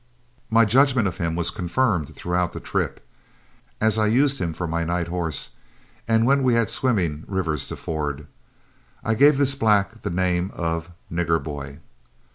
My judgment of him was confirmed throughout the trip, as I used him for my night horse and when we had swimming rivers to ford. I gave this black the name of "Nigger Boy."